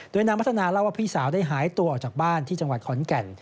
โดยนางพัฒนาเล่าว่าพี่สาวได้หายตัวออกจากบ้านที่จังหวัดขอนแก่น